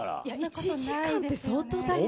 １時間って相当大変。